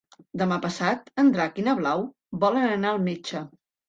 Demà passat en Drac i na Blau volen anar al metge.